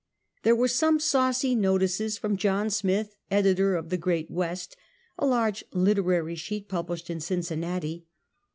There were some saucy notices from "John Smith," editor of The Great West, a large literary sheet pub lished in Cincinnati.